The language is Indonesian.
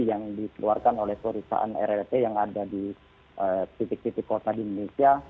yang dikeluarkan oleh perusahaan rrt yang ada di titik titik kota di indonesia